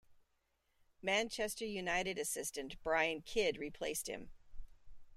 Manchester United assistant Brian Kidd replaced him.